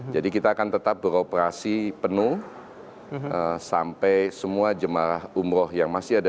jadi kita akan tetap beroperasi penuh sampai semua jemaah umroh yang masih ada